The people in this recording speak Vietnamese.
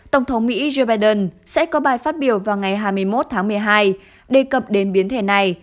tổng thống mỹ joe biden sẽ có bài phát biểu vào ngày hai mươi một tháng một mươi hai đề cập đến biến thể này